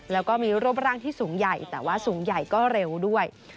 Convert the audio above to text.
แล้วก็มีรูปร่างที่สูงใหญ่แต่ว่าสูงใหญ่ก็เร็วด้วย